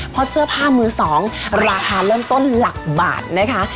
เพราะเสื้อผ้ามือสองราคาเริ่มต้นหลักบาทนะคะ